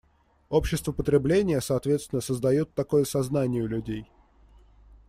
Общество потребления, соответственно, создает такое сознание у людей.